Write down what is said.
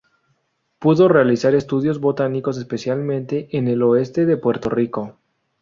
Pudo realizar estudios botánicos, especialmente en el oeste de Puerto Rico.